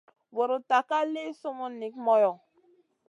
Vuruta ka li summun nik moyo.